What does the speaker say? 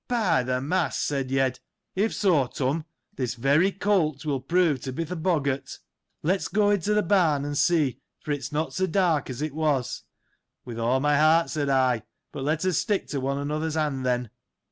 By the mass ! said Yed, if so, Turn, this very colt will prove to be th' boggart. Let's go into th' barn, and see, for it is not so dark as it was. With all my heart, said I, but let us stick to one another's hand, then.